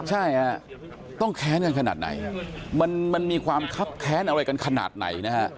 ใช่ต้องแขนกันขนาดไหนมันมีความคับแขนอะไรกันขนาดไหน